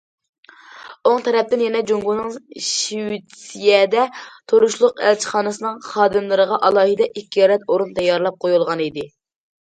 ئوڭ تەرەپتىن يەنە جۇڭگونىڭ شىۋېتسىيەدە تۇرۇشلۇق ئەلچىخانىسىنىڭ خادىملىرىغا ئالاھىدە ئىككى رەت ئورۇن تەييارلاپ قويۇلغانىدى.